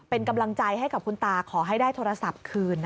เป็นกำลังใจให้กับคุณตาขอให้ได้โทรศัพท์คืน